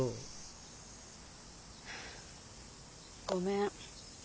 ごめん。